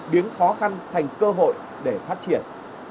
biến khó khăn thành cơ hội để phát triển